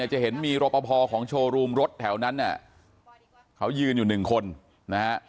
จะเห็นมีรปภของโชว์รูมรถแถวนั้นเขายืนอยู่๑คน